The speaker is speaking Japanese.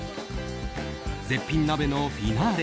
絶品鍋のフィナーレ。